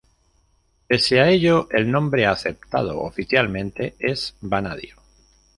Pese a ello, el nombre aceptado oficialmente es vanadio.